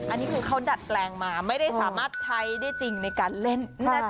อันนี้คือเขาดัดแปลงมาไม่ได้สามารถใช้ได้จริงในการเล่น